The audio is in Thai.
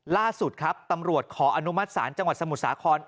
ล่าสุดครับตำรวจขออนุมัติศาลจังหวัดสมุทรสาคร